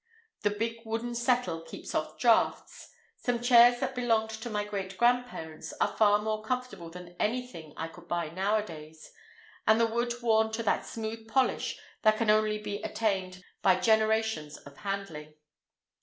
The big wooden settle keeps off draughts, some chairs that belonged to my great grandparents are far more comfortable than anything I could buy nowadays, with the wood worn to that smooth polish that can only be attained by generations of handling.